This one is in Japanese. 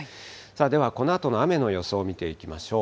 ではこのあとの雨の予想を見ていきましょう。